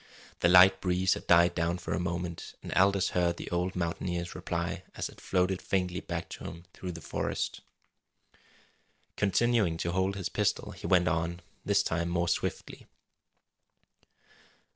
The light breeze had died down for a moment, and Aldous heard the old mountaineer's reply as it floated faintly back to him through the forest. Continuing to hold his pistol, he went on, this time more swiftly.